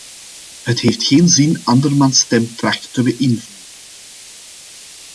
Het heeft geen zin andermans stem trachten te beïnvloeden.